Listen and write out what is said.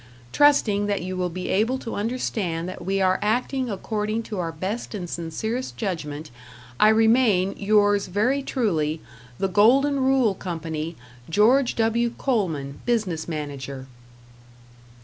Trusting that you will be able to understand that we are acting according to our best and sincerest judgment, I remain, yours very truly, The Golden Rule Company, George W. Coleman, Business Manager.